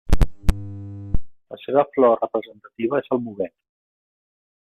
La seva flor representativa és el muguet.